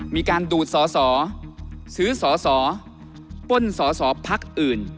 มีการดูดสอซื้อสอป้นสอพักอื่น